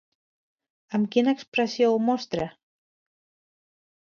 Amb quina expressió ho mostra?